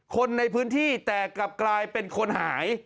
คนในพื้นที่แต่กลับกลายเป็นคนหาย